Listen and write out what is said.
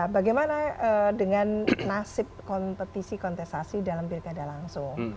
bagaimana dengan nasib kompetisi kontestasi dalam pilkada langsung